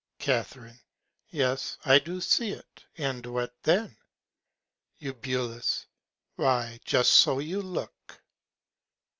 Ca. Yes, I do see it: And what then? Eu. Why, just so you look.